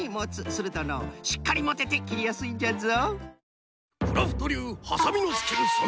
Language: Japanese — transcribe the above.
するとのうしっかりもてて切りやすいんじゃぞ。